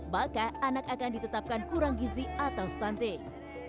maka anak akan ditetapkan kurang gizi atau stunting